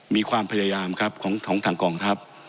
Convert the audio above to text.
มีความพยายามครับของทางกองทัพ